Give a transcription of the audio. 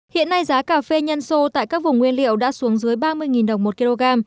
hiện nay giá cà phê nhân sô tại các vùng nguyên liệu đã xuống dưới ba mươi đồng một kg